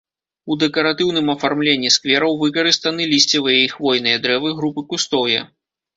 У дэкаратыўным афармленні сквераў выкарыстаны лісцевыя і хвойныя дрэвы, групы кустоўя.